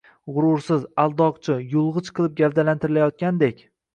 Gʻurursiz, aldoqchi, yulgʻich qilib gavdalantirilayotgandek.